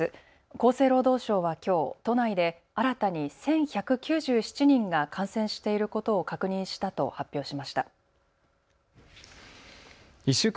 厚生労働省はきょう都内で新たに１１９７人が感染していることを確認したと発表しました。